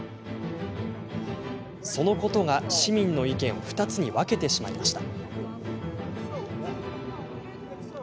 そのことが、市民の意見を２つに分けてしまいました。